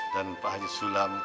dan pak haji sulam